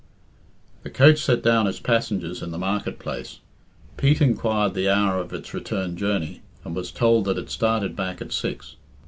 The coach set down its passengers in the market place. Pete inquired the hour of its return journey, and was told that it started back at six.